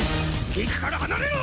理玖から離れろ！